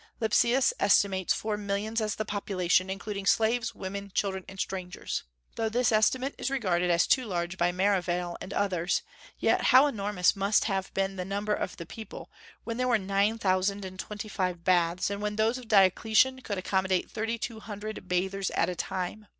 Lipsius estimates four millions as the population, including slaves, women, children, and strangers. Though this estimate is regarded as too large by Merivale and others, yet how enormous must have been the number of the people when there were nine thousand and twenty five baths, and when those of Diocletian could accommodate thirty two hundred bathers at a time!